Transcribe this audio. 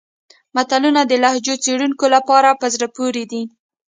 متلونه د لهجو څېړونکو لپاره په زړه پورې دي